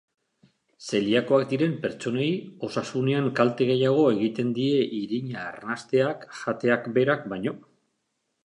Zeliakoak diren pertsonei osasunean kalte gehiago egiten die irina arnasteak jateak berak baino.